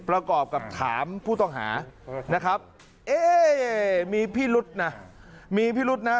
ประกอบกับถามผู้ต้องหานะครับมีพี่รุ๊ดนะมีพี่รุ๊ดนะ